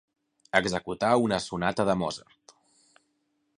Executar una sonata de Mozart.